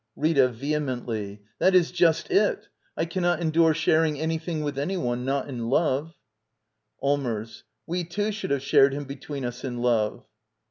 Rita. [Vehemently.] That is just itL .I xan ojot, eadure „.sharinjg^ anything with anyone ! Not in love, Allmers. We two should have shared him be tween us in love.